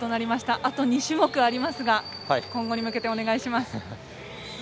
あと２種目ありますが今後に向けてお願いします。